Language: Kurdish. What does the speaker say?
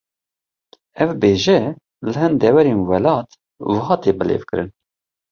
Ev bêje, li hin deverên welat wiha tê bilêvkirin